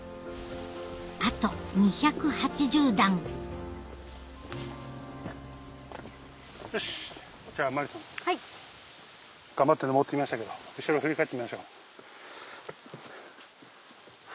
あと２８０段よしじゃあマリさん頑張って登って来ましたけど後ろ振り返ってみましょう。